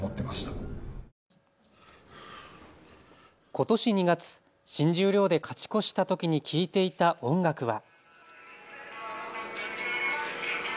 ことし２月、新十両で勝ち越したときに聴いていた音楽は。